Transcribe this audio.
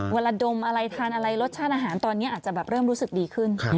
ดมอะไรทานอะไรรสชาติอาหารตอนนี้อาจจะแบบเริ่มรู้สึกดีขึ้น